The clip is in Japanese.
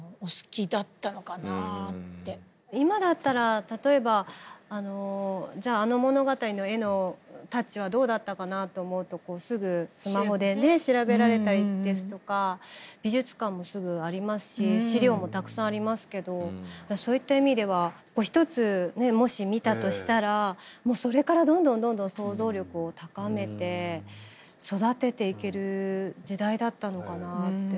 今だったら例えばあのじゃああの物語の絵のタッチはどうだったかなと思うとすぐスマホで調べられたりですとか美術館もすぐありますし資料もたくさんありますけどそういった意味では一つねもし見たとしたらそれからどんどんどんどん想像力を高めて育てていける時代だったのかなって。